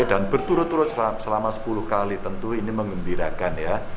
dan berturut turut selama sepuluh kali tentu ini mengembirakan ya